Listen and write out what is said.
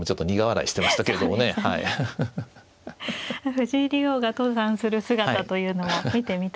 藤井竜王が登山する姿というのも見てみたいところですが。